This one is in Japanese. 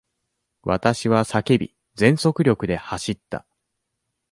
私は叫び、全速力で走った。